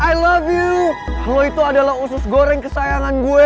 i love you lo itu adalah usus goreng kesayangan gue